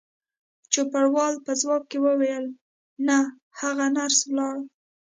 چوپړوال په ځواب کې وویل: نه، هغه نرسه ولاړل.